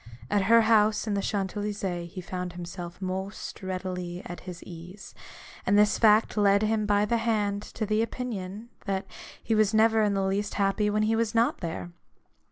At her house in the Champs Ely sees he found himself most readily at his ease : and this fact led him by the hand to the opinion, that he was never in the least happy when he was not there.